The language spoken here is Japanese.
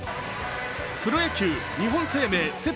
プロ野球日本生命セ